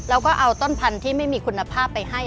แล้วก็เอาต้นพันธุ์ที่ไม่มีคุณภาพไปให้